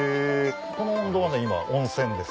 この温度は今温泉です。